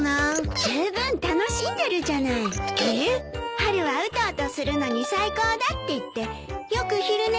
「春はうとうとするのに最高だ！」って言ってよく昼寝してるでしょ。